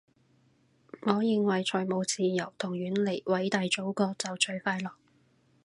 我認為財務自由同遠離偉大祖國就最快樂